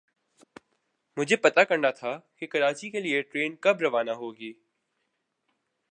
مجھے پتا کرنا تھا کے کراچی کےلیے ٹرین کب روانہ ہو گی۔